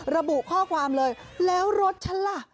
ระบุข้อความเลยแล้วรถฉันล่ะ